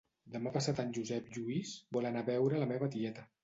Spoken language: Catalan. Demà passat en Josep Lluís vol anar a veure la meva tieta